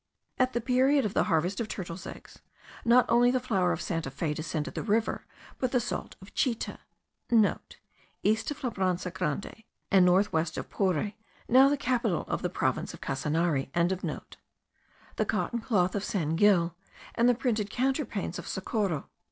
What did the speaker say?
At the period of the harvest of turtles' eggs, not only the flour of Santa Fe descended the river, but the salt of Chita,* (* East of Labranza Grande, and the north west of Pore, now the capital of the province of Casanare.) the cotton cloth of San Gil, and the printed counterpanes of Socorro.